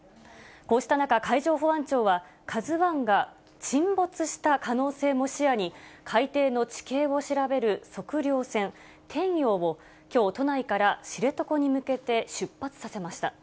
こうした中、海上保安庁はカズワンが沈没した可能性も視野に、海底の地形を調べる測量船、天洋をきょう、都内から知床に向けて出発させました。